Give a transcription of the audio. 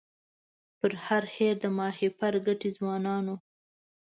پر هر هېر د ماهیپر ګټي ځوانانو